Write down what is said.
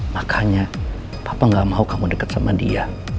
makanya apa gak mau kamu deket sama dia